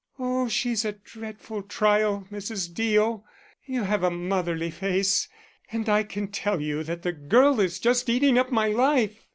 Oh, she's a dreadful trial, Mrs. Deo; you have a motherly face, and I can tell you that the girl is just eating up my life.